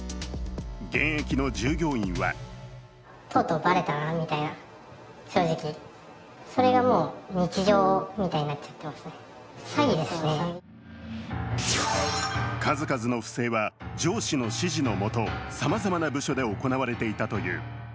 現役の従業員は数々の不正は上司の指示のもとさまざまな部署で行われていたという。